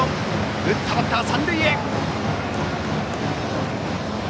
打ったバッターは三塁へ。